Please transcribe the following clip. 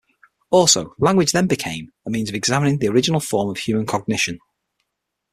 Also, language then becomes a means of examining the original form of human cognition.